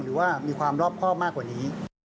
หรือว่ามีความรอบครอบมากกว่านี้